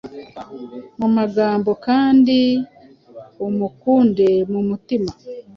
mumagambo kandi umukunde mumutima